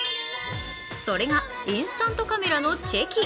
それがインスタントカメラのチェキ。